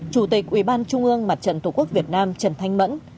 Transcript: chủ tịch ủy ban trung ương mặt trận tổ quốc việt nam trần thanh mẫn